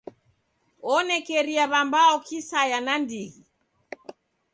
Onekeria w'ambao kisaya nandighi.